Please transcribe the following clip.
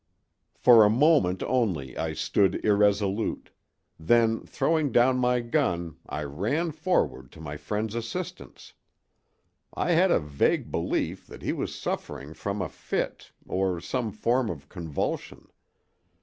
"For a moment only I stood irresolute, then throwing down my gun I ran forward to my friend's assistance. I had a vague belief that he was suffering from a fit, or some form of convulsion.